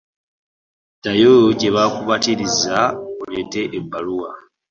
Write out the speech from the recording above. Ddayo gye baakubatiriza oleete ebbaluwa.